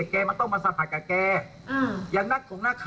เอาเรื่องนี้ไม่รู้เอาอะไรก็นั่งหนา